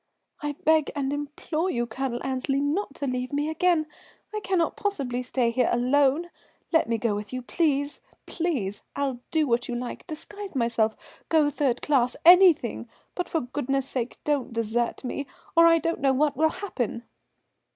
"I beg and implore you, Colonel Annesley, not to leave me again. I cannot possibly stay here alone. Let me go with you, please, please. I'll do what you like, disguise myself, go third class, anything; but for goodness' sake don't desert me, or I don't know what will happen."